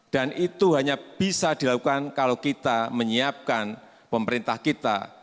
dan itu hanya bisa dilakukan kalau kita menyiapkan pemerintah kita